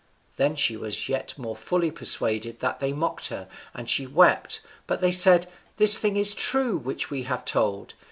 Then she was yet more fully persuaded that they mocked her, and she wept. But they said, "This thing is true which we have told.